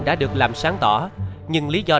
đã được làm sáng tỏ nhưng lý do